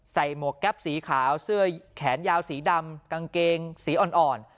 หมวกแก๊ปสีขาวเสื้อแขนยาวสีดำกางเกงสีอ่อน